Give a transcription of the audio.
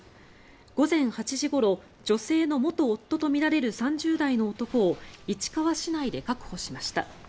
午前８時ごろ女性の元夫とみられる３０代の男を市川市内で確保しました。